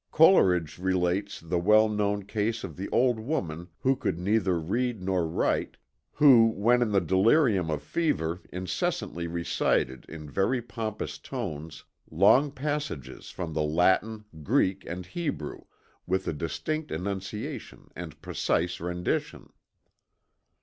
Coleridge relates the well known case of the old woman who could neither read nor write, who when in the delirium of fever incessantly recited in very pompous tones long passages from the Latin, Greek and Hebrew, with a distinct enunciation and precise rendition.